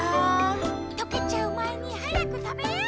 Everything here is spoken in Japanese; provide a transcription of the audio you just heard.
とけちゃうまえにはやくたべよう！